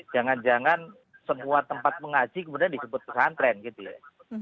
jangan jangan semua tempat mengaji kemudian disebut pesantren gitu ya